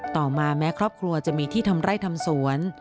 ต่อมาแม้ครอบครัวจะมีที่ทำไร่ทำสวน